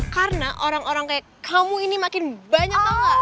karena orang orang kayak kamu ini makin banyak tau gak